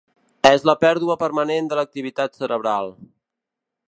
És la pèrdua permanent de l’activitat cerebral.